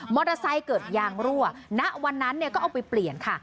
มอเตอร์ไซค์เกิดยางรั่วณวันนั้นก็เอาไปเปลี่ยนค่ะ